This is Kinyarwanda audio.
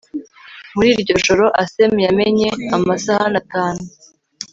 Muri iryo joro Asem yamennye amasahani atanu